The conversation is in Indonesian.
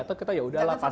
atau kita yaudahlah pasrah